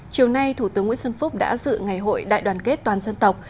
chiều nay thủ tướng nguyễn xuân phúc đã dự ngày hội đại đoàn kết toàn dân tộc